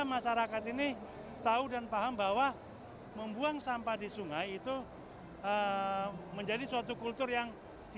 masyarakat ini tahu dan paham bahwa membuang sampah di sungai itu menjadi suatu kultur yang